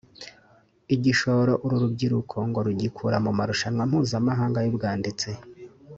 Igishoro uru rubyiruko ngo rugikura mu marushanwa mpuzamahanga y’ubwanditsi